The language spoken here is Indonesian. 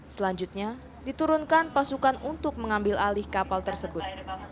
selanjutnya diturunkan pasukan untuk mengambil alih kapal tersebut